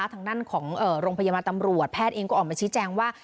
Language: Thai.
ทางด้านของโรงพยาบาลตำรวจแพทย์เองก็ออกมาชี้แจงว่า